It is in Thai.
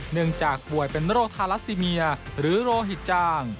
เนื่องจากป่วยเป็นโรคทาราซิเมียหรือโรฮิจาง